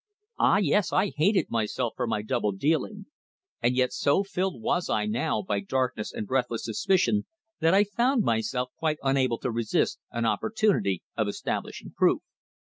Ah! yes, I hated myself for my double dealing. And yet so filled was I now by dark and breathless suspicion, that I found myself quite unable to resist an opportunity of establishing proof.